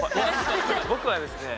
僕はですね